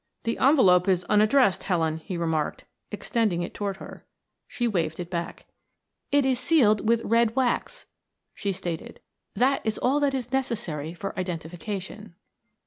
"The envelope is unaddressed, Helen," he remarked, extending it toward her. She waved it back. "It is sealed with red wax," she stated. "That is all that is necessary for identification."